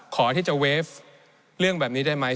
ขอที่จะเวฟเรื่องแบบนี้ได้ไหม